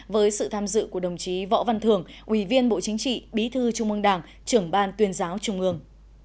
với sự tham dự của đồng chí võ văn thường ủy viên bộ chính trị bí thư trung ương đảng trưởng ban tuyên giáo trung ương